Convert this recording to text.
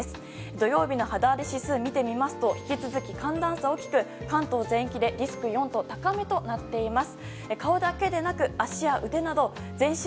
土曜日の肌荒れ指数を見てみますと引き続き寒暖差は大きく関東の全域でリスク４と高めとなっています。